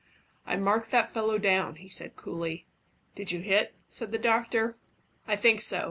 "I marked that fellow down," he said coolly. "Did you hit?" said the doctor. "I think so.